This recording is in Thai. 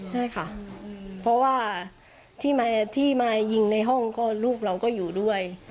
ใช่ค่ะเพราะว่าที่มายิงในห้องก็ลูกเราก็อยู่ด้วย